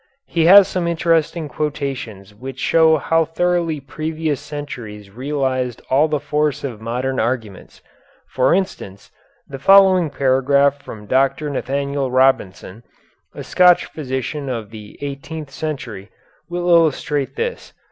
He has some interesting quotations which show how thoroughly previous centuries realized all the force of modern arguments. For instance, the following paragraph from Dr. Nathaniel Robinson, a Scotch physician of the eighteenth century, will illustrate this.